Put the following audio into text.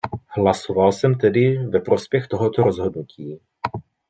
Hlasoval jsem tedy ve prospěch tohoto rozhodnutí.